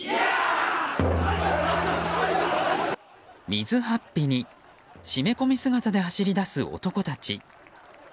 水法被に締め込み姿で走り出す男たち。